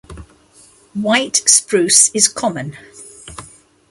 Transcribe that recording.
White Spruce is common.